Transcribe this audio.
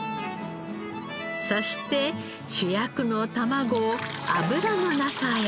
そして主役のたまごを油の中へ。